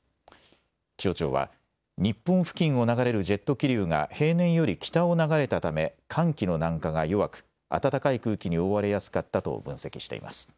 気象庁は日本付近を流れるジェット気流が平年より北を流れたため寒気の南下が弱く暖かい空気に覆われやすかったと分析しています。